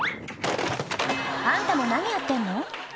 あんたも何やってんの？